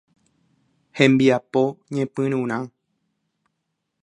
Hembiapo ñepyrũrã.